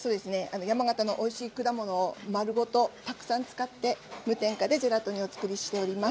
山形のおいしい果物を丸ごとたくさん使って無添加で作っております。